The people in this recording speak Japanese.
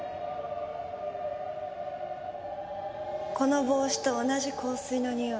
この帽子と同じ香水のにおい。